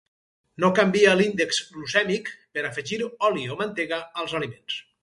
No canvia l'índex glucèmic per afegir oli o mantega als aliments.